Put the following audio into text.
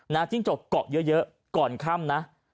จิ้งจกเกาะเยอะก่อนค่ำนะ